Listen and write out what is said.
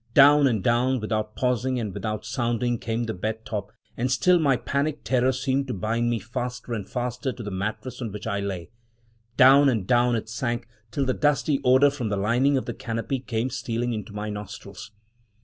Down and down, without pausing and without sounding, came the bed top, and still my panic terror seemed to bind me faster and faster to the mattress on which I lay — down and down it sank, till the dusty odor from the lining of the canopy came stealing into my nostrils.